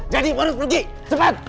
jadi harus pergi cepat